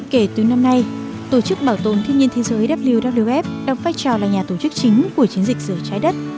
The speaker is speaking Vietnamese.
kể từ năm nay tổ chức bảo tồn thiên nhiên thế giới wwf đang phát trào là nhà tổ chức chính của chiến dịch rửa trái đất